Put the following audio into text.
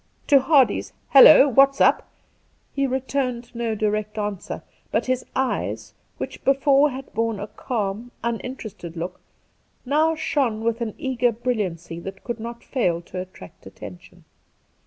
To Hardy's ' Hallo ! what's up ?' he returned no direct answer, but his eyes, which before had borne a. calm, uninterested look, now shone with an eager brilliancy that could not fail to attract attention.